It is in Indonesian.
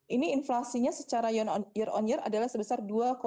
ini inflasinya secara year on year adalah sebesar dua tiga puluh delapan